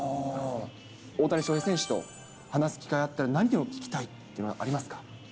大谷翔平選手と話す機会あったら、何を聞きたいっていうのありますか？